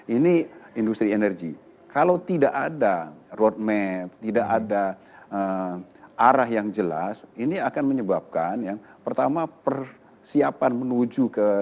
ini industri energi kalau tidak ada roadmap tidak ada arah yang jelas ini akan menyebabkan yang pertama persiapan menuju ke